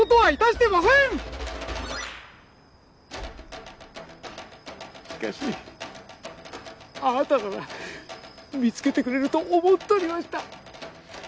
しかしあなたなら見つけてくれると思っとりました。